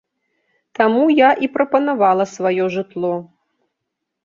Таму я і прапанавала сваё жытло.